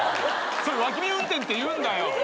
それ脇見運転っていうんだよ！